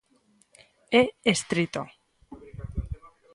É estrito.